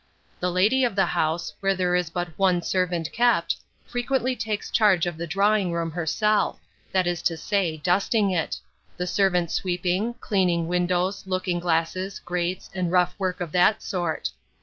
The lady of the house, where there is but one servant kept, frequently takes charge of the drawing room herself, that is to say, dusting it; the servant sweeping, cleaning windows, looking glasses, grates, and rough work of that sort.